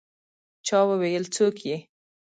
چا وویل: «څوک يې؟»